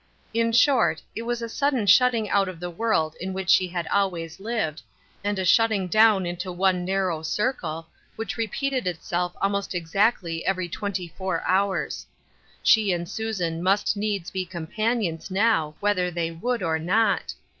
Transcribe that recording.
In short, it was a sudden shutting out of the world in which she had always lived, and a shutting 197 198 Ruth Ershine^ Crosses, down into one narrow circle, which repeated itseK almost exactly every twenty four hours. She and Susan must needs be companions now, whether they would or not.